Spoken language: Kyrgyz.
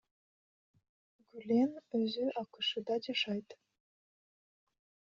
Гүлен өзү АКШда жашайт.